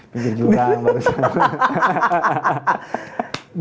pinggir jutang baru semua